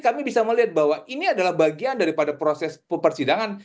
kami bisa melihat bahwa ini adalah bagian daripada proses persidangan